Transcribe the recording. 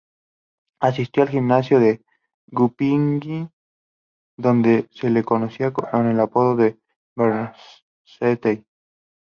Asistió al gimnasio en Göppingen, donde se lo conocía con el apodo de "Bernstein".